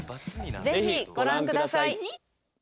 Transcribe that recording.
是非ご覧ください。